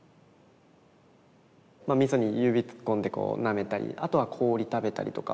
みそに指突っ込んでこうなめたりあとは氷食べたりとか。